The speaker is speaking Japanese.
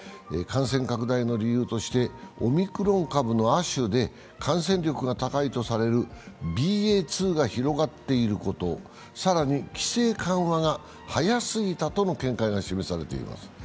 感染拡大の理由としてオミクロン株の亜種で感染力が高いとされるＢＡ．２が広がっていること、更に、規制緩和が早すぎたとの見解が示されています。